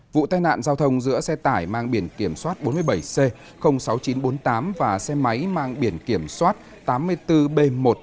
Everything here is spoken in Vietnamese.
vụ tai nạn giao thông giữa xe tải mang biển kiểm soát bốn mươi bảy c sáu nghìn chín trăm bốn mươi tám và xe máy mang biển kiểm soát tám mươi bốn b một hai mươi chín nghìn hai trăm năm mươi bảy